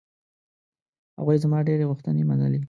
هغوی زما ډېرې غوښتنې منلې.